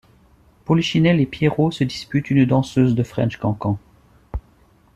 Polichinelle et Pierrot se disputent une danseuse de French-Cancan.